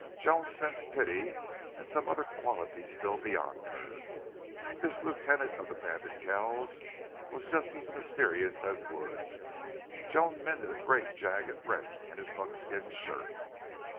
Joan sensed pity and some other quality still beyond her. This lieutenant of the bandit Kells was just as mysterious as Wood. Joan mended a great jagged rent in his buckskin shirt.